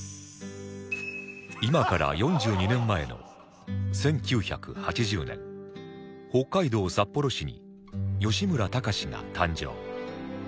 今から４２年前の１９８０年北海道札幌市に吉村崇が誕生